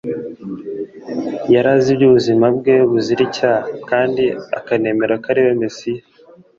Yari azi iby'ubuzima bwe buzira icyaha, kandi akanemera ko ariwe Mesiya ;